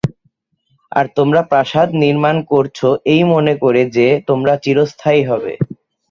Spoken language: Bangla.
আর তোমরা প্রাসাদ নির্মাণ করছ এই মনে করে যে, তোমরা চিরস্থায়ী হবে।